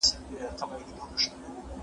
یو عادل جرګه مار د هیچا تر اغیز لاندې نه راځي